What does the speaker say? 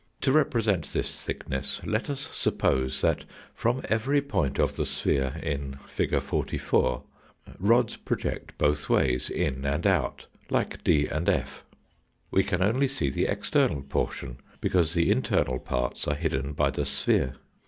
To represent this thickness let us sup pose that from every point of the sphere in fig. 44 rods project both ways, in and out, like D and F. We can only see the external por tion, because the internal parts are hidden by the sphere.